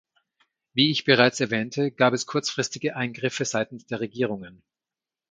Wie ich bereits erwähnte, gab es kurzfristige Eingriffe seitens der Regierungen.